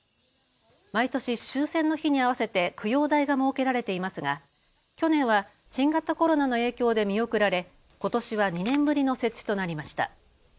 毎年、終戦の日に合わせて供養台が設けられていますが去年は新型コロナの影響で見送られ、ことしは２年ぶりの設置となりました。